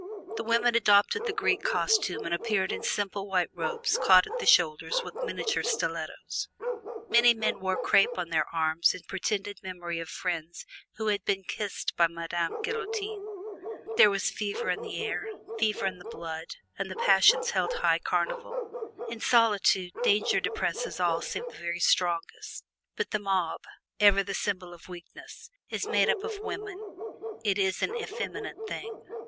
The women adopted the Greek costume and appeared in simple white robes caught at the shoulders with miniature stilettos. Many men wore crape on their arms in pretended memory of friends who had been kissed by Madame Guillotine. There was fever in the air, fever in the blood, and the passions held high carnival. In solitude, danger depresses all save the very strongest, but the mob (ever the symbol of weakness) is made up of women it is an effeminate thing.